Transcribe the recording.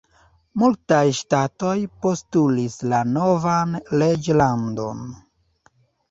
Multaj ŝtatoj postulis la novan reĝlandon.